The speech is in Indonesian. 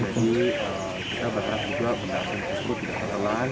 jadi kita berharap juga benda asing itu seru tidak terlelan